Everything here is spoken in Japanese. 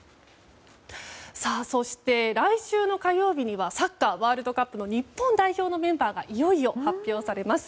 そして、来週の火曜日にはサッカーワールドカップの日本代表のメンバーがいよいよ発表されます。